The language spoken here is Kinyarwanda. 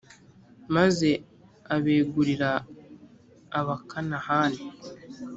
maze abegurira abakanahani.